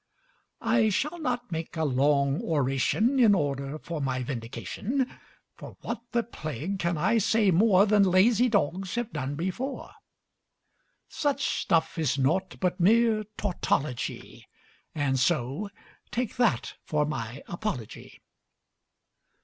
I shall not make a long oration in order for my vindication, For what the plague can I say more Than lazy dogs have done before; Such stuff is naught but mere tautology, And so take that for my apology.